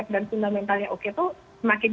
dan fundamentalnya oke itu semakin